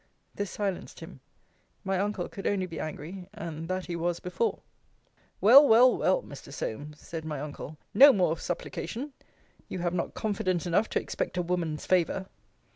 This silenced him. My uncle could only be angry; and that he was before. Well, well, well, Mr. Solmes, said my uncle, no more of supplication. You have not confidence enough to expect a woman's favour.